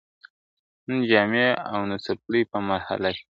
نه جامې او نه څپلۍ په محله کي !.